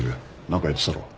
何かやってたろ？